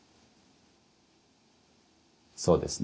そうですね。